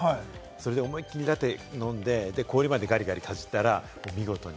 それで思いっきりラテ飲んで、氷までガリガリかじったら見事に。